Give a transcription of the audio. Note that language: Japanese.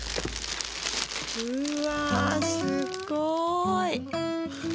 うわすっごーい！